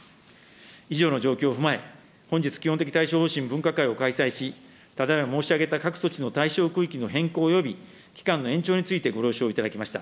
以上の状況を踏まえ、本日、基本的対処方針分科会を開催し、ただ今申し上げた各措置の対象区域の変更および、期間の延長について、ご了承いただきました。